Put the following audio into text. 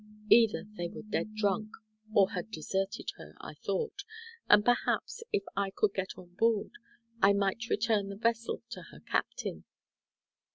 Either they were dead drunk, or had deserted her, I thought, and perhaps if I could get on board, I might return the vessel to her captain.